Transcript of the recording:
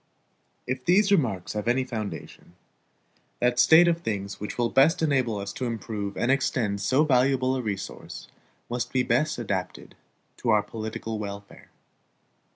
If these remarks have any foundation, that state of things which will best enable us to improve and extend so valuable a resource must be best adapted to our political welfare.